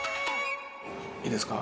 いいですか？